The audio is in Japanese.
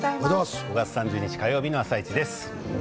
５月３０日火曜日の「あさイチ」です。